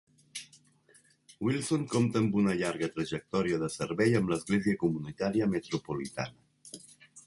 Wilson compta amb una llarga trajectòria de servei amb l'Església Comunitària Metropolitana.